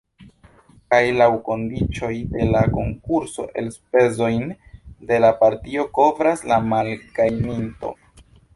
Kaj laŭ kondiĉoj de la konkurso elspezojn de la partio kovras la malgajninto.